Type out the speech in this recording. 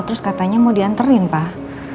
terus katanya mau diantarin pak